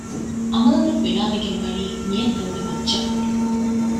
ޢަމަލުތައް ބިނާވެގެން ވަނީ ނިޔަތްތަކުގެ މައްޗަށް